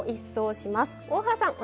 大原さん